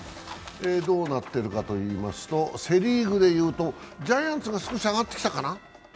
どうなってるかといいますとセ・リーグでいうとジャイアンツが少し上がってきたかな。